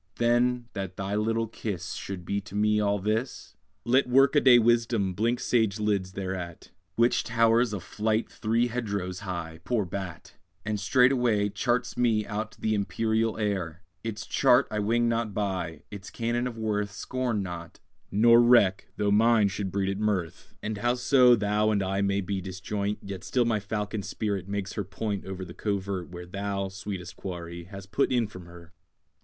Then, that thy little kiss Should be to me all this, Let workaday wisdom blink sage lids thereat; Which towers a flight three hedgerows high, poor bat! And straightway charts me out the empyreal air. Its chart I wing not by, its canon of worth Scorn not, nor reck though mine should breed it mirth: And howso thou and I may be disjoint, Yet still my falcon spirit makes her point Over the covert where Thou, sweetest quarry, hast put in from her!